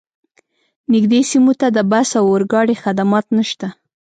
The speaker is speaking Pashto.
نږدې سیمو ته د بس او اورګاډي خدمات نشته